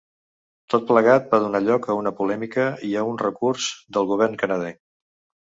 Tot plegat va donar lloc a una polèmica i a un recurs del govern canadenc.